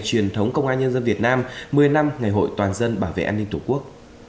truyền thống công an nhân dân việt nam một mươi năm ngày hội toàn dân bảo vệ an ninh tổ quốc